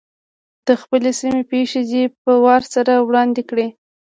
د خپلې سیمې پېښې دې په وار سره وړاندي کړي.